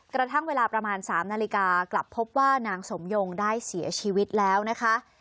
กระทั่งเวลาประมาณ๓นาฬิกากลับพบว่านางสมยงได้เสียชีวิตแล้วนะคะ